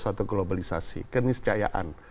suatu globalisasi keniscayaan